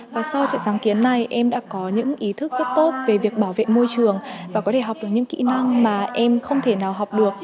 và sau trại sáng kiến này em đã có những ý thức rất tốt về việc bảo vệ môi trường và có thể học được những kỹ năng mà em không thể nào học được